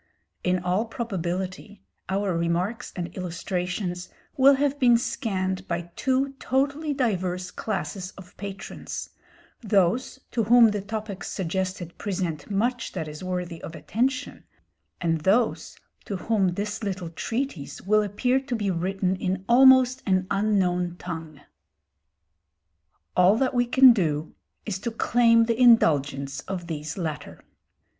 In all probability our remarks and illustrations will have been scanned by two totally diverse classes of patrons, those to whom the topics suggested present much that is worthy of attention, and those to whom this little treatise will appear to be written in almost an unknown tongue. All that we can do is to claim the indulgence of these latter.